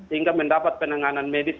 hingga mendapat penanganan medis